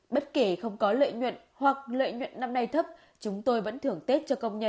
bất kể không có lợi nhuận hoặc lợi nhuận năm nay thấp chúng tôi vẫn thưởng tết cho công nhân